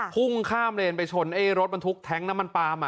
คุ่งข้ามเรนไปชนไอ้รถมันทุกแท็งค์น้ำมันปลามอ่ะ